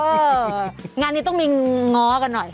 งานนี้ต้องมีง้อกันหน่อย